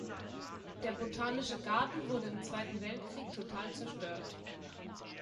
Der Botanische Garten wurde im Zweiten Weltkrieg total zerstört.